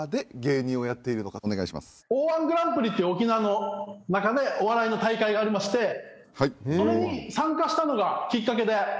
Ｏ−１グランプリっていう沖縄の中でお笑いの大会がありましてそれに参加したのがきっかけで。